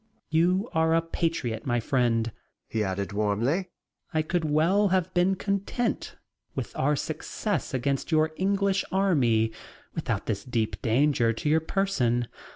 "You are a patriot, my friend," he added warmly. "I could well have been content with our success against your English army without this deep danger to your person."